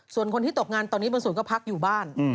ส่วนคนที่ตกงานตอนนี้บางส่วนก็พักอยู่บ้าน